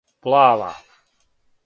Плава